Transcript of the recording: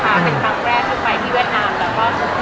เป็นครั้งแรกที่ไปที่เวียดนาม